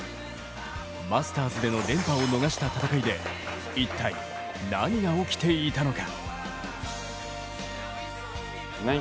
マスターズでの連覇を逃した戦いで一体、何が起きていたのか。